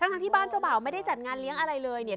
ทั้งที่บ้านเจ้าบ่าวไม่ได้จัดงานเลี้ยงอะไรเลยเนี่ย